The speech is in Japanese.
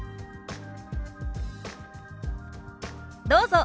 どうぞ。